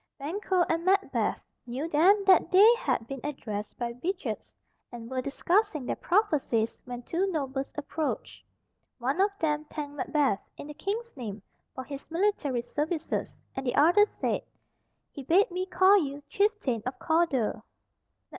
Banquo and Macbeth knew then that they had been addressed by witches, and were discussing their prophecies when two nobles approached. One of them thanked Macbeth, in the King's name, for his military services, and the other said, "He bade me call you chieftain of Cawdor."